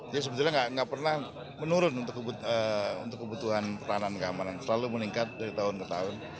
jadi sebetulnya nggak pernah menurun untuk kebutuhan pertahanan dan keamanan selalu meningkat dari tahun ke tahun